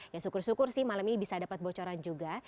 ya syukur syukur sih malam ini bisa dapat bocoran juga